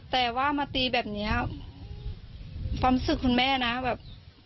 แต่ว่ามาตีแบบเนี้ยความรู้สึกคุณแม่นะแบบ